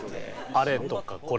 「あれ」とか「これ」とか。